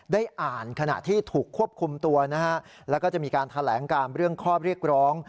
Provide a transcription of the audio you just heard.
ได้อ่านขณะที่ถูกควบคุมตัวนะฮะแล้วก็จะมีการแถลงการเรื่องข้อเรียกร้อง